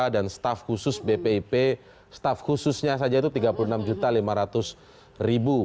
dan staff khusus bpip staff khususnya saja itu rp tiga puluh enam lima ratus